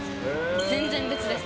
全然別です。